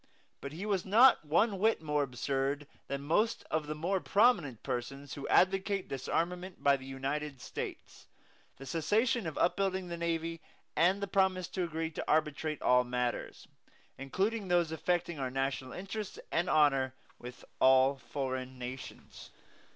But he was not one whit more absurd than most of the more prominent persons who advocate disarmament by the United States, the cessation of up building the navy, and the promise to agree to arbitrate all matters, including those affecting our national interests and honor, with all foreign nations.